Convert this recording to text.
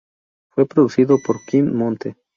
Fue producido por Quim Monte.